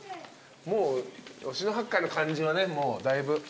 もう忍野八海の感じはねだいぶ。